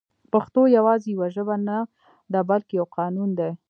پښتو يوازې يوه ژبه نه ده بلکې يو قانون دی